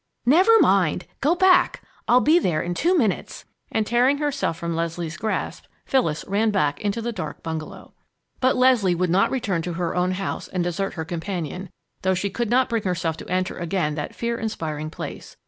"Never mind! Go back! I'll be there in two minutes." And tearing herself from Leslie's grasp, Phyllis ran back into the dark bungalow. But Leslie would not return to her own house and desert her companion, though she could not bring herself to enter again that fear inspiring place.